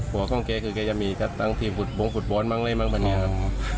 หัวของเก๊จะมีกับอยู่กับทีมขุดบ้อนมั้งแหละครับ